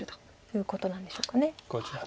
いうことなんでしょうか。